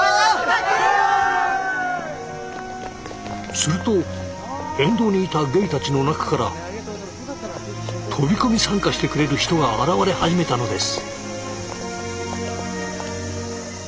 すると沿道にいたゲイたちの中から飛び込み参加してくれる人が現れ始めたのです。